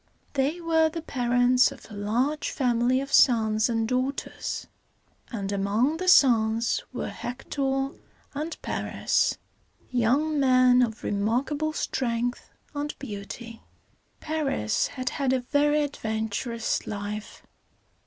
They were the parents of a large family of sons and daughters; and among the sons were Hec´tor and Par´is, young men of remarkable strength and beauty. Paris had had a very adventurous life.